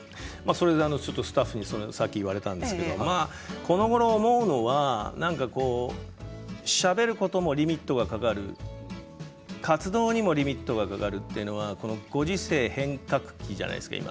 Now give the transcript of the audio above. スタッフに、さっき言われたんですけれどこのごろ思うのはしゃべることもリミットがかかる活動にもリミットがかかるというのはご時世、変革期じゃないですか今。